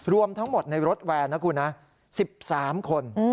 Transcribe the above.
รวมทั้งหมดในรถแวร์นะครับคุณสิบสามคน